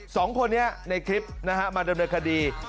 สองคนนี้ในคลิปนะฮะมาดำเนินคดี